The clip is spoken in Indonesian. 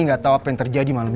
gak tau apa yang terjadi malam itu